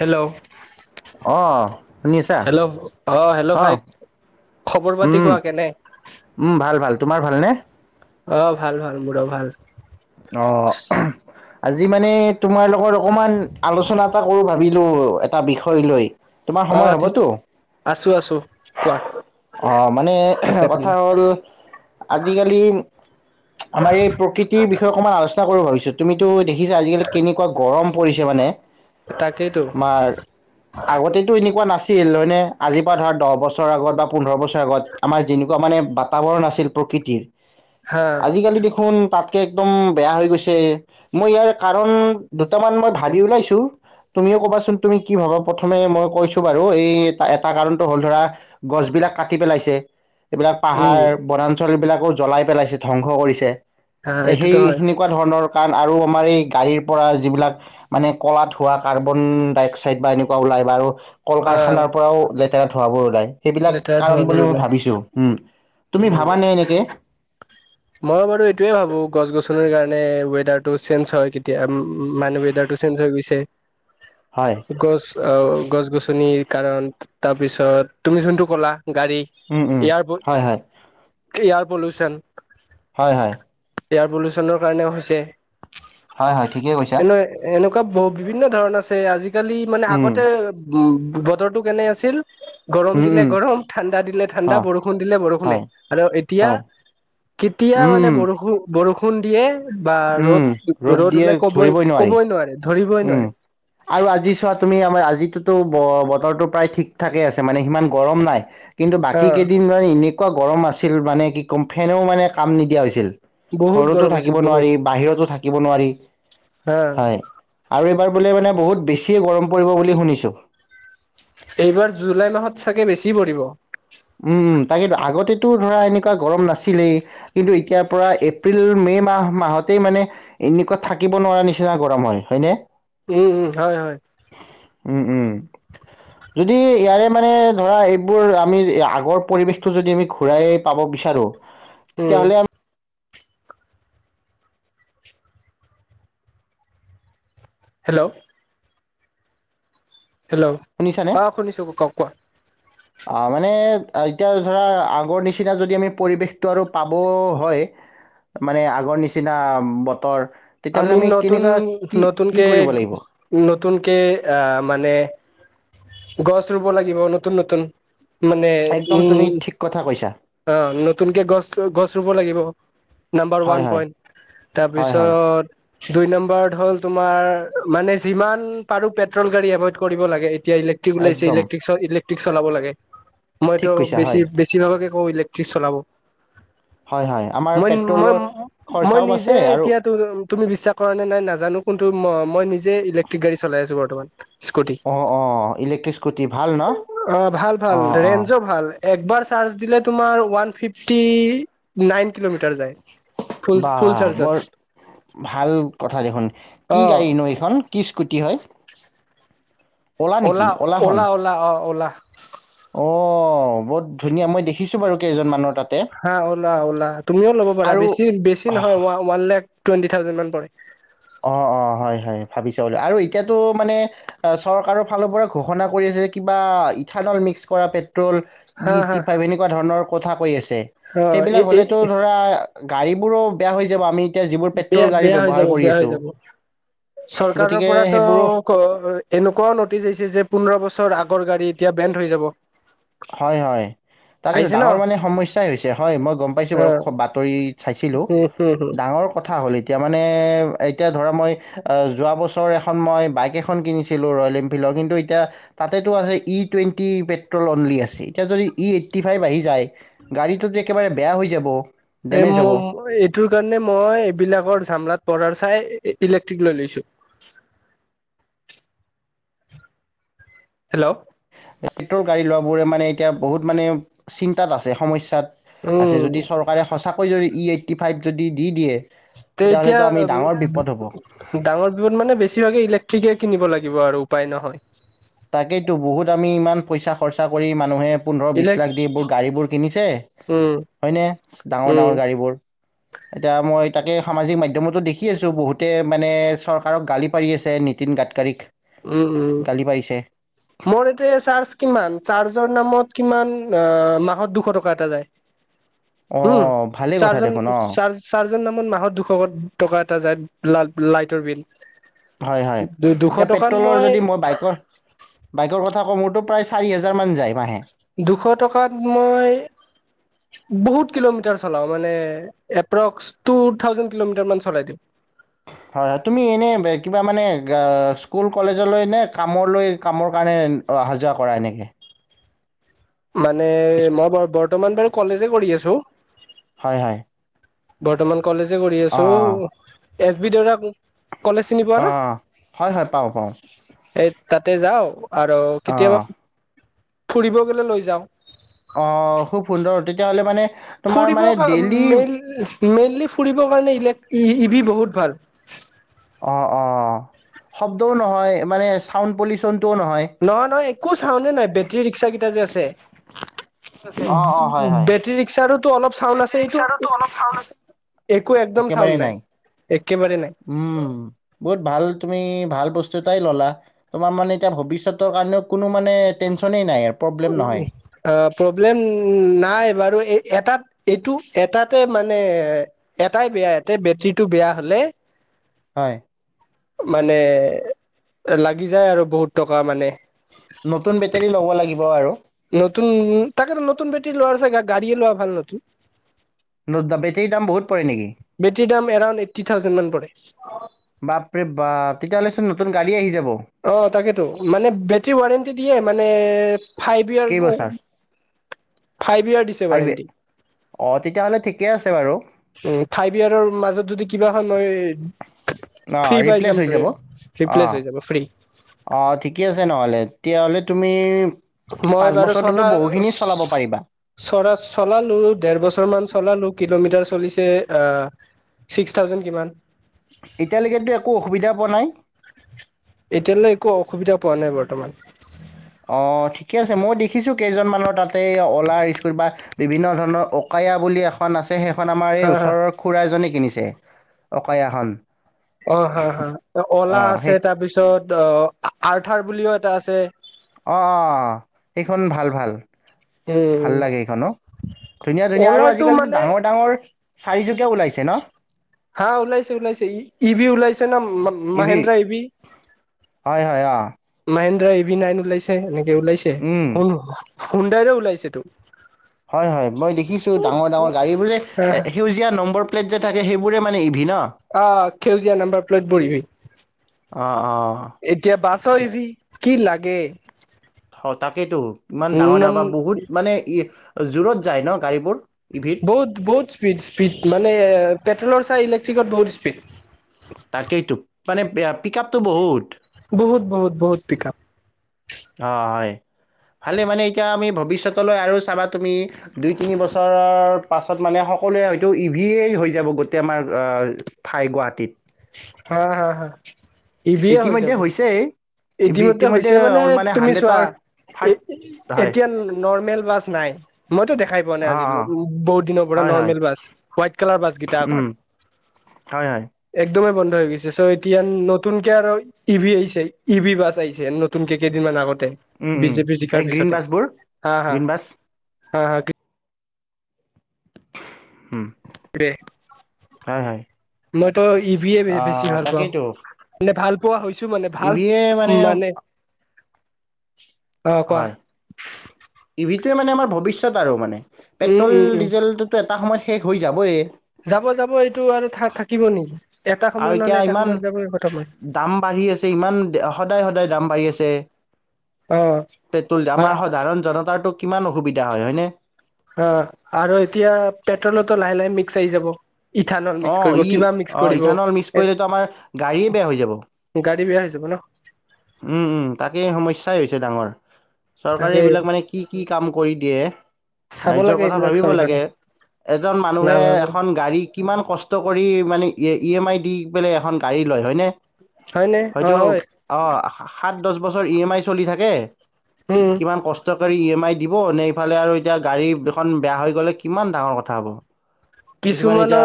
Hello অঁ শুনি আছা হেল্ল' অ হেল্ল' অঁ ভাই খবৰ পাতি উম কোৱা কেনে উম ভাল ভাল তোমাৰ ভালনে? অঁ ভাল ভাল পুৰা ভাল অঁ আজি মানে তোমাৰ লগত অকণমান আলোচনা এটা কৰো ভাবিলো এটা বিষয় লৈ। তোমাৰ সময় আঁহ ঠিক হ'বতো আছো আছো কোৱা। অঁ মানে আছে কথা সময় হ'ল। আজিকালি আমাৰ এই প্ৰকতিৰ বিষয়ে অকণমান আলোচনা কৰো ভাবিছো। তুমিতো দে ছা আজিকালি কেনেকুৱা গৰম পৰিছে মানে। তাকেইতো তোমাৰ আগতেতো এনেকুৱা নাছিল। ছিল হয় নে আজিৰ পৰা ধৰা দহ বছৰৰ আগত বা পোন্ধৰ বছৰ আগত আমাৰ যেনেকুৱা মানে বাতাৱৰণ আছিল প্ৰকৃতিৰ হা আজিকালি দেখোন তাত কেকুম বেয়া হয় গৈছে। মই ইয়াৰ কাৰণ দুটামান মান ভাবি ওলাইছো। তুমিও কবাছোন তুমি কি ভাবা? প্ৰথামে মই কৈছোঁ বাৰু এই এটা কাৰণটো হল ধৰা গছবোৰ। বিলাক কাটি পেলাইছে। এইবিলাক উম পাহাৰ বনাঞ্চল। লৰা ছোৱালীবিলাকো জ্বলাই পেলাইছে ধবংস কৰিছে। হা এহ সেই এইটোতো হয় সেনেকুৱা ধৰণৰ। কাৰণ আৰু আমাৰ এই গাড়ীৰ পৰা যিবিলাক মানে কলাত হোৱা কাৰ্বন ডাই অক্সাইড বা এনেকুৱা ওলাই বা আৰু। কল অ কাৰখানাৰ পৰাও লে। লেতেৰা ধোৱাবোৰ ওলায়। সেইবিলাক লেতেৰা ধোৱাবোৰ বুলি মই ওলাই ভাবিছো উম', তুমি উম ভাবানে এনেকে? সেইটোকৰণে ৱেডাৰ টো চেঞ্জ হয়। কেতিয়া মানে ৱেডাৰ টো চেঞ্জ হৈ গৈছে। হয় গছ আহ', গছ- গছনি। নিৰ কাৰণ তাৰপিছত। তুমি যোনটো ক'লা। গাড়ী উম উম এয়াৰপৰ্ত হয় হয় এয়াৰ পল্যুশন হয়- হয় এয়াৰ পলিচনৰ কাৰণেও হৈছে। হয় - হয় ঠিকেই কৈছা। হ বিভিন্ন ধৰণ আছে আজি। আজিকালি মানে উম আগতে। উম', বতৰটো কেনে আছিল। গৰম উম দিলে উম গৰম, ঠাণ্ডা দিলে ঠাণ্ডা, অ বৰষুণ দিলে বৰষুণে হয় আৰু এতিয়া হয় কেতিয়া উম মানে উম বৰষুণ - বৰষুণ। খুন্দিয়ে। বা উম ৰ'দ- ৰ'দ দিয়ে ওলাই ক'বই ধৰিবই নোৱাৰি -ক'বই নোৱাৰে। ধৰিবই উম', নোৱাৰে আৰু আজি চত তুমি আমাৰ আজিতোতো ব বতৰটো প্ৰায় ঠিক ঠাকেই আছে মানে সিমান গৰম নাই। কিন্তু হা বাকী কেইদিন মান এনেকুৱা গৰম আছিল মানে কি ক'ম ফেনেও মানে কাম নিদিয়া হৈছিল বহুত ঘৰতো গৰম আছিল থাকিব বহুত নোৱাৰি বাহিৰতো থাকিব নোৱাৰি হা হয় আৰু এইবাৰ বোলে মানে বহুত বেছিয় গৰম পৰিব বুলি শুনিছো এইবাৰ জুলাই মাহত চাগে বেছি পৰিব উম তাকেইতো আগতে ো ধৰা এনেকুৱা গৰম নাছিলেই কিন্তু এতিয়াৰ পৰা এপ্ৰিল মে মাহ মাহতেই মানে এনেকুৱা থাকিব নোৱাৰা নিচিনা গৰম হয় হয়নে উম উম হয় হয় উম, উম। যদি ইয়াৰে মানে ধৰা এইবোৰ আমি আগৰ পৰিৱেশটো যদি আমি ঘূৰাই পাব বিচাৰোঁ উ তেতিয়াহ'লে আমি হেল্ল' হেল্ল' শুনিছানে? অ শুনিছো কওক কোৱা অ মানে এতিয়া ধৰা আগৰ নিচিনা যদি আমি পৰিৱেশটো আৰু পাব হয় মানে আগৰ নিচিনা বতৰ তেতিয়াহ'লে আমি নতুন কেনেকুৱা কি কি নতুনকে কৰিব লাগিব? নতুনকে আহ মানে গছ ৰুব লাগিব নতুন নতুন মানে একদম তুমি ঠিক কথা কৈছা। অ নতুনকে গছ গছ ৰুব লাগিব নাম্বাৰ হয়, ওৱান হয়। পইণ্ট হয়, হয়। তাৰপিছত দুই নম্বৰত হ'ল তোমাৰ মানে যিমান পাৰো পেট্ৰল গাড়ী এভইড কৰিব লাগে এয়া ইলে্টিক লাইছে একদম। ইলেক্ৰিক িক [unintelligible] চলাব লাগে ঠিক মইতো কৈছা বেছি হয় বেছি নালকে অ ইলেক্ট্ৰিক চলাব হয় হয় আমাৰ মই মই পেট্ৰলৰ খৰচাও বাছে আৰু ইচ্ছা কৰা নে নাই নাজানো কিন্তু মই নিজে ইলেক্ট্ৰিক গাড়ী চলাই আছো বৰ্তমান স্কুটি অ অ ইলেক্ট্ৰিস্কুটি ভাল ন অ ভাল ভাল অ অ ৰেঞ্জো ভাল একবাৰ চাৰ্জ দিলে তোমাৰ ওৱান ফিফটি নাইন মিট যায় ফ বা ফুল বৰ চাৰজত ভাল কথা দেখোন কি গাড়ী ন এইখন কি স্কুটি কি হয় নেকি অলা অ'লাখন অ'লা অ'লা অ অ'লা অঁ বহুত ধুনীয়া মই দেখিছোঁ বাৰু কেইজনমানৰ তাত হা ওলা ওলা তুমিও ল'ব পাৰা আৰু বেছি বেছি নহয় ওৱান লেখ টুৱেণ্টি থাউজেণ্ডমান পৰে অ অ হয় হয় ভাবিছাবা আৰু এতিয়াতো মানে চৰকাৰৰ ফালৰ পৰা ঘোষণা কৰি আছে যে কিবা ইথানল মিক্স কৰা পেট পেট্ৰল ই হা টি হা ফাইভ এনেকুৱা ধৰণৰ কথা কৈ আছে। অ সেইবিলাক এই হ'লেতো ধৰা গাড়ী বোৰো বেয়া হৈ যাব আমি এয়া যিবোৰ পেট্ৰল বেয়া গাড়ী বেয়া হৈ ব্যৱহাৰ যাব কৰি বেয়া আছে। চৰকাৰৰ পৰাতো সেইবোৰো এনেকুৱাও নটিচ আহিছে যে পোন্ধৰ বছৰ আগ গা়ড়ী এতিয়া বেণ্ড হৈ যাব। হয় হয় তাকে এইটো আহিছে ন ডাঙৰ মানে সমস্যাই হৈছে হয় মই গম পাইছো অ বাৰু বাতৰি চাইছিলোঁ হম ডাঙৰ কথা হ'ল। মানে এতিয়া মানে এতিয়া ধৰা মই যোৱা বছৰ এখন মই বাইক এখন কিনিছিলোঁ ৰয়েল এনফিল্ডৰ কিন্তু এতিয়া তাতেতো আছে ই টুৱেণ্টি পেট্ৰলত, বুলি আছে এতিয়া যদি ই এইট্টি ফাইভ আহি যায় গাড়ীটোত একেবাৰে বেয়া হৈ যাব। এই ডেমেজ ম হ'ব এইটো কাৰণে মই এইবিলাকৰ জামলাত পৰাৰ চাই ইলেক্ট্ৰিক লৈ লৈছো। হেল্ল' পেট্ৰল গাড়ী লোৱাবোৰে মানে এতিয়া বহুত মানে চিন্তাত আছে সমস্যাত। উম আছে যদি চৰকাৰে সঁচাকৈ জৰি ই এইটি ফাইভ যদি দি দিয়ে। তে এতিয়া তেতিয়াহ'লেতো আমি ডাঙৰ বিপদ হ'ব ডাঙৰ বিপদ মানে বেছিভাগেই। ঠিকে কিনিব লাগিব আৰু উপায় নহয়। তাকেইেতো বহুত আমি ইমান পইচা খৰচা কৰি মানুহে পোন্ধৰ, বিশ ইলেক লাখ দি এইবোৰ গাড়ীবোৰ কিনিছে উম হয়নে ডাঙৰ উম ডাঙৰ গাড়ীবোৰ এতিয়া মই তাকে সামাজিক মাধ্যমতো দেখি আছোঁ বহুতে মানে চৰকাৰক গালি পাৰি আছে নীতিন গাডকাৰীক। উম উম। গালি পাৰিছে মোৰ এইটোবে চাৰ্জৰ কিমান চাৰ্জৰ নামত কিমান মাহত দুশ টকা এটা যায়। উম অঁ ভালেই কথা চাৰজন দেখোন অঁ চাৰ চাৰজন নামত মাহত দুশ টকা এটা যায়। ল লাইটৰ বিল। হয় হয় দুশ এতিয়া টকাত পেট্ৰলৰ যদি মই বাইকৰ বাইকৰ কথা ক মোৰতো প্ৰায় চাৰি হেজাৰ মান যায় মাহে। দুশ টকাত মই বহুত কিলোমিটাৰ চলাওঁ মানে এপ্ৰক্স টু থাউজেণ্ড কিলোমিটাৰ মান চলাই দিওঁ। হয় হয় তুমি এনে কিবা মানে স্কুল কলেজলৈ নে কামলৈ কামৰ কাৰনে অহা যোৱা কৰা এনেকে। মানে মই ব বৰ্তমান বাৰু কলেজে কৰি আছো। হয় হয় বৰ্তমান। কলেজে কৰি আছোঁ। অঁ এছ বি দেউতাক। অঁ হয় হয় পাওঁ পাওঁ। এই তাতে যাওঁ। আৰু কেতিয়াবা অঁ ফুৰিব গলে লৈ যাওঁ অ খুব সুন্দৰ তেতিয়াহ'লে মানে তোমাৰ ফুৰিব মানে কা ডেইলি মেইন মেইনলি ফুৰিবৰ কাৰণে ইলে ইভি বহুত ভাল অ অ শব্দও নহয় মানে চাউণ্ড পলিউচন নহয় নহয় একো চাউনে নাই বেটৰী ৰিক্সা কেই টা যে আছে অ', অ', হয়, হয়, বেটেৰী ৰিক্সাৰোতো অলপ চাউণ্ড আছে এইটো একো একদম চাউণ্ড নাই একেবাৰে নাই উম বহুত ভাল তুমি ভাল বস্তু এটাই ল'লা তোমাৰ মানে এতিয়া ভৱিষ্যতৰ কাৰণেও কোনো মানে টেনশ্যনেই অ প্ৰব্লেম নাই বাৰু এ এটাত এইটো এটাতে মানে এটাই বেয়া এতে বেটৰীটো বেয়া হ'লে হয় মানে লাগি যায় আৰু বহুত টকা মানে নতুন বেটেৰী ল'ব লাগিব আৰু ৰী লোৱাৰ জেগাত গাড়ীয়ে লোৱা ভাল নতুন বেটেৰীৰ দাম বহুত পৰে নেকি? বেটেৰীৰ দাম এৰাউণ্ড এইটি থাউজেণ্ড মান পৰে বাপ ৰে বাাপ তেতিয়াহ'লে চোন নতুন গাড়ী আহি যাব অ তাকেতো মানে বেটেৰী ৱাৰেণ্টি দিয়ে মানে ফাইভ ইয়াৰ কেইবছৰ ফাইভ ইয়াৰ দিছে ৱাৰেণ্টি কে আছে বাৰু ফাইভ ইয়ৰ মাজত যদি কিবা হয় মই অ', ফ্ৰী‌ পাই ৰিপ্লেচ যাম হৈ ৰে যাব। অ', ৰিপ্লেচ হৈ যাব ফ্ৰী অ ঠিকে আছে নহলে তেতিয়াহ'লে তুমি মই পাঁচ বাৰু বছৰটোতো চলা বহুখিনি চলাব পাৰিবা চ চলালো দেৰ বছৰ মান চলালো কিলোমিটাৰছ চলিছে ছিক্স থাউজেণ্ড কিমান এতিয়ালৈকেতো একো অসুবিধা পোৱা নাই এতিয়ালৈ একো অসুবিধা পোৱা নাই বৰ্তমান চিচি চিক অ ঠিকে আছে মই দেখিছো কেইজনমানৰ তাতে অলাৰ স্কুটি বা বিভিন্ন ধৰণৰ অকায়া বুলি এখন আছে সেইখন আমাৰ এই হা হা ওচৰৰ খুৰাইজনীক কিনিছে অকয়া এখন অ হা হা অলা অঁ আছে সেই তাৰপিছত অ আৰ্থাৰ বুলিও এটা আছে অ অ সেইখন ভাল ভাল ভাল উম লাগে এইখনো ধুনীয়া ধুনীয়া আৰু অলাৰটো আজিকালিতো মানে ডাঙৰ ডাঙৰ চাৰিচকীয়া ওলাইছে ন।। হাঁ ওলাইছে ওলাইছে ই ভি ওলাইছে ন ই ভি মহাহেন্দ্ৰ ইবি হয় হয় অঁ মহেনন্দ্ৰ এ ভি নাইন ওলাইছে এনে ওলাইছে উম শুন সুন্দাইৰে ওলাইছে তো হয় হয় মই দেখিছো ডাঙৰ ডাঙৰ গাড়ীবোৰে সেউজীয়া নম্বৰ প্লেট, যে থাকে সেইবোৰে মানে ইভি ন অ সেউজীয়া নাম্বাৰ প্লেট বহিবি অঁ অঁ এতিয়া বাছ ই ভি কি লাগে তাকেইেতো ইমান ডাঙৰ ডাঙৰ উম বা বহুত মানে ই জোৰত যায় ন গাড়ীবোৰ ইভিত বহুত বহুত স্পীড স্পীড মানে পেট্ৰলৰ এ ইলেন্ত্ৰিকত দৌ [unintelligible] তাকেইতো মানে পিক আপটো বহুত বহুত বহুত বহুত পিকাপ অঁ হয় ভালে মানে এতিয়া আমি ভ ভৱিষ্যতলৈ আৰু চাবা তুমি দুই তিনি বছৰৰ পাছত মানে সকলোৱে হয়তো ই ভিয়েই হৈ যাব গোটেই আমাৰ ঠাই গুৱাহাটীত। হয় হয় হয় ইতিমধ্যে হৈছে ইতিমধ্যে হৈছে মানে তুমি চোৱা এ থাৰ্ড হয় এতিয়া নৰ্মেল বাছ নাই মইতো দেখাই পোৱা নাই অ আজিলৈ অ বহুত দিনৰ পৰা হয় হয় normal bus white colour bus কেইটা আগৰ উম হয় হয় একদমেই বন্ধ হৈ গৈছে, চ' এতিয়া নতুনকৈ আৰু ই ভ আহিছে ই ভি বাছ আহিছে নতুনকৈ কেইদিনমান আগত। উম উম বিজেপি জিকাৰ এই গ্ৰীণ পিছতে বাছবোৰ হাঁ হাঁ গ্ৰীণ বাছ হয় হয় উম হয় হয় মইতো ই ভি য়ে অ বেছি ভাল পাওঁ তাকেইতো ভাল পোৱা হৈছো মানে ভাল মানে অ কোৱা হয়। ইভিটোৱে মানে আমাৰ ভৱিষ্যত আৰু মানে উম উম পেট্ৰল-ডিজেলতটো এটা সময়ত শেষ হৈ যাবই। যাব-যাব এইটো আৰু থা থাকিব নেকি? এটা সময়ত আৰু নহলে এতিয়া এটা ইমান সময়ত যাব খতম হয় দাম বাঢ়ি আছে, ইমান সদায়-সদায় দাম বাঢ়ি আছে। [unintelligible] অ' পেট্ৰল আমাৰ হয়, সাধাৰণ জনতাৰতো কিমান অসুবিধা হয় হয়নে অ' আৰু এতিয়া পেট্ৰলতো লাহে লাহে মি চাৰি যাব। ইথানল মিক্স অ' কৰিব ই কিবা মিক্স অ' কৰিব ইথানল মিক্স কৰিলেতো আমাৰ গাড়ীয়ে বেয়া হৈ যাব। জাবো ন। উম-উম তাকেই সমস্যাই হৈছে ডাঙৰ। চৰকাৰে তাকেই এইবিলাক মানে কি-কি কাম কৰি দিয়ে, চাব ৰাইজৰ লাগে কথা এইবিলাক ভাবিব চৰকাৰে লাগে এজন মানুহে নাভাবে এখন গাড়ী কিমান কষ্ট কৰি মানে ই ই এম আই দি পেলে এখন গাড়ী লয় হয়নে। হয়নে হয়তো অ', হয়। অঁ, সাত দহ বছৰ ই এম আই চলি থাকে। উম কিমান কষ্টকৰি ই এম আই দিবনে এইফালে আৰু এতিয়া গাড়ী দুখন বেয়া হৈ গ'লে কিমান ডাঙৰ কথা হ'ব। কিছুমানে এতিয়া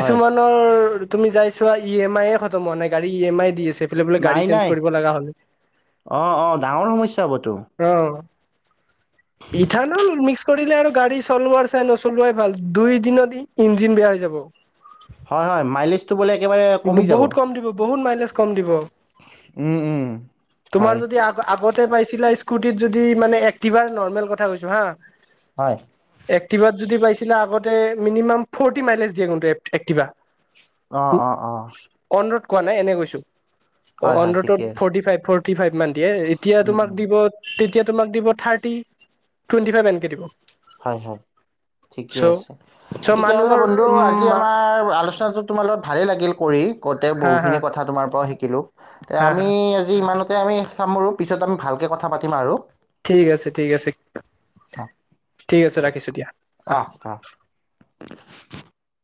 হয় তুমি যাইছোৱা ই এম আইৰ মানে গাড়ী ই এম আই দি আছে। সেইফালে বোলে গাড়ী নাই চেঞ্জ নাই কৰিব লগা হ'ল। অঁ অঁ ডাঙৰ সমস্যা হ'বতো অঁ, ইঠানল মিক্স কৰিলে আৰু গাড়ী চলোৱাৰ চাই নচলোৱাই ভাল দুই দিনত ইঞ্জিন বেয়া হৈ যাব। হয়-হয় মাইলেজ বহুত কম দিব বহুত মাইলেজ কম দিব। উম উম হয় তোমাৰ যদি আ আগতে পাইছিলো স্কুটিত যদি মানে এক্টিভাৰ নৰ্মেল কথা কৈছো হা। হয়। এক্টিভাত যদি পাইছিলে আগতে মিনিমাম ফৰ্টি মাইলেজ দিয়ে কিন্তু এক্টিভা। অঁ-অঁ-অঁ, অন ৰোড কোৱা নাই এনে কৈছো অ' ঠিকে অনৰোদ আছে ফৰ্টি ফাইভ। ফৰ্তি ফাইভ মান দিয়ে, এতিয়া উম তোমাক উম দিব তেতিয়া তোমাক দিব থাৰ্টি টুৱেণ্টি ফাইভ এনেকে দিব হয় হয় ঠিকে চ' আছে চ' তেতিয়া হ'লে মানুহৰ বন্ধু আজি উম আমাৰ আলোচনাটো তোমাৰ লগত ভালেই লাগিল কৰি কওঁতে হা হা বহুখিনি কথা তোমাৰ পৰা শিকিলো হা হা আমি আজি ইমানতে তে আমি সামৰোঁ পিছত আমি ভালকে কথা পাতিম আৰু ঠিক আছে ঠিক আছে অঁ ঠিক আছে হ'ব ৰাখিছো দিয়া আহ অঁ অঁ [inaudible]